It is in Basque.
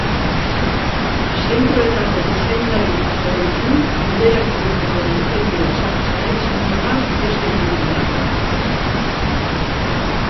Zentroetako zuzendaritzekin bilerak egiteko egutegia ezartzea izango da beste ekimenetako bat.